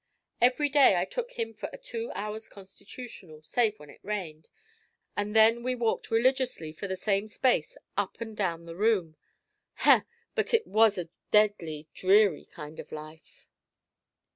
Every day I took him for a two hours' constitutional, save when it rained, and then we walked religiously for the same space up and down the room. Heh! but it was a deadly, dreary, kind of life.